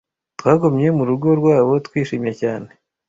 Twagumye mu rugo rwabo twishimye cyane.